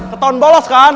ketauan bolos kan